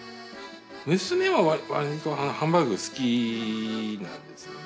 娘はわりとハンバーグ好きなんですよね。